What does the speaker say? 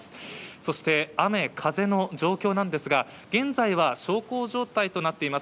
そして雨、風の状況なんですが、現在は小康状態となっています。